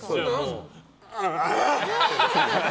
ああ！